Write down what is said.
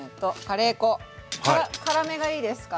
辛めがいいですか？